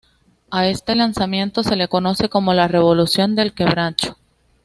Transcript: A este alzamiento se lo conoce como la Revolución del Quebracho.